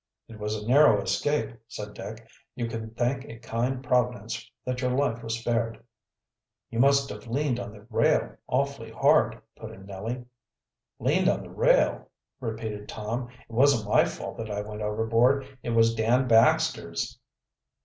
"It was a narrow escape," said Dick. "You can thank a kind Providence that your life was spared." "You must have leaned on the rail awfully hard," put in Nellie. "Leaned on the rail?" repeated Tom. "It wasn't my fault that I went overboard. It was Dan Baxter's."